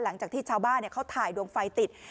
หลังจากที่ชาวบ้านเขาถ่ายดวงไฟติด